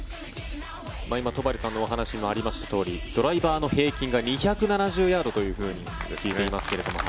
今、戸張さんのお話にもありましたとおりドライバーの平均が２７０ヤードというふうに聞いていますけれども。